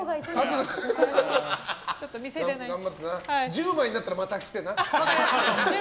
１０枚になったらまた来てな。